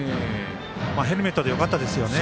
ヘルメットでよかったですよね。